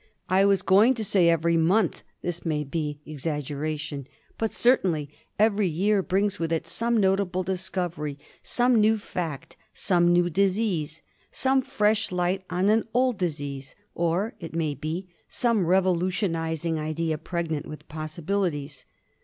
I was going to say every month — this may be exaggeration — but certainly every year brings with it some notable discovery, some new fact, some new disease, some fresh light on an old disease, or, it may be, some revolutionising idea pregnant with possibilities.